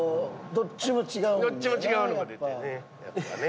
どっちも違うのが出てねやっぱね。